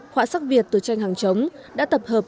họa sắc việt từ tranh hàng chống đã tập hợp